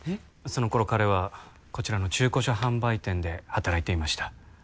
その頃彼はこちらの中古車販売店で働いていました